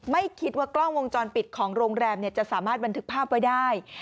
ไม่คิดว่ากล้องวงจรปิดของโรงแรมจะสามารถบันทึกภาพไว้ได้